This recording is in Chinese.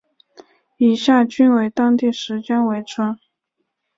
以下均为当地时间为准。